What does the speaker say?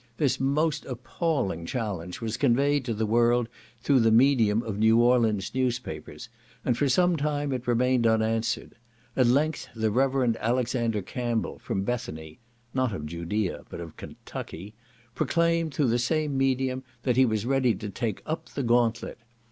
This most appalling challenge was conveyed to the world through the medium of New Orleans newspapers, and for some time it remained unanswered; at length the Reverend Alexander Campbell, from Bethany, (not of Judaea, but of Kentucky,) proclaimed, through the same medium, that he was ready to take up the gauntlet.